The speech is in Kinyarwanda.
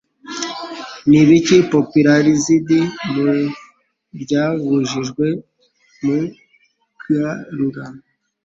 Ni ibiki Popularized Mu ryabujijwe Mu agarura